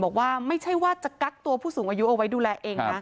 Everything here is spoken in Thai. บอกว่าไม่ใช่ว่าจะกักตัวผู้สูงอายุเอาไว้ดูแลเองนะ